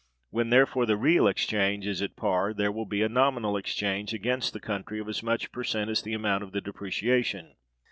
When, therefore, the real exchange is at par, there will be a nominal exchange against the country of as much per cent as the amount of the depreciation.